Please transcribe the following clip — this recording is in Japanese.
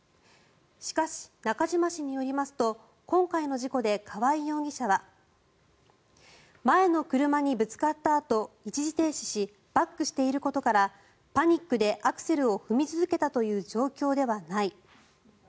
しかし、中島氏によりますと今回の事故で川合容疑者は前の車にぶつかったあと一時停止しバックしていることからパニックでアクセルを踏み続けたという状況ではない。